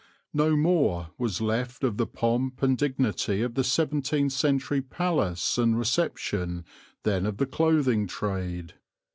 No more was left of the pomp and dignity of the seventeenth century palace and reception than of the clothing trade.